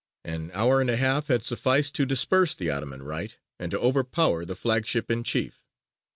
An hour and a half had sufficed to disperse the Ottoman right and to overpower the flagship in chief.